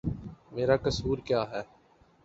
میرا قصور کیا ہے؟